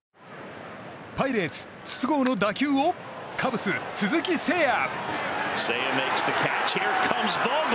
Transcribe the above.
パイレーツ筒香の打球をカブス鈴木誠也。